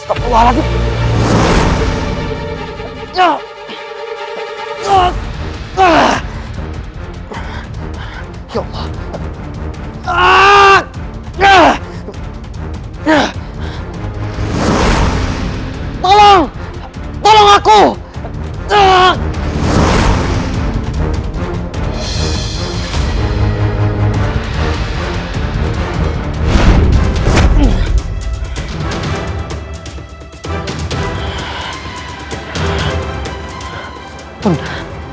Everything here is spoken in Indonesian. kau bernyanyi buruk bunda